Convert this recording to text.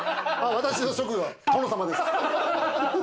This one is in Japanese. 私の職業、殿様です。